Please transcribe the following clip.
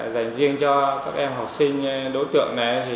dành riêng cho các em học sinh đối tượng này